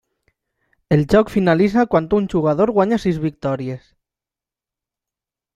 El joc finalitza quan un jugador guanya sis victòries.